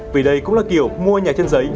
vì đây cũng là kiểu mua nhà trên giấy